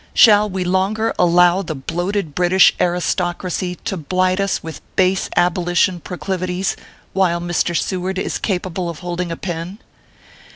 Shall we longer allow the bloated British aristocracy to blight us with base abolition procliv ities, while Mr. Seward is capable of holding a pen